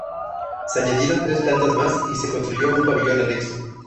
Se añadieron tres plantas más y se construyó un pabellón anexo.